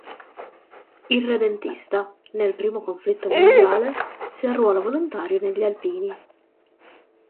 Irredentista, nel primo conflitto mondiale, si arruola volontario negli Alpini.